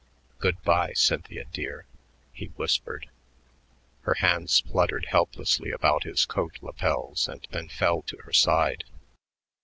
"Good by, Cynthia dear," he whispered. Her hands fluttered helplessly about his coat lapels and then fell to her side.